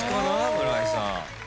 村井さん。